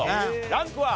ランクは？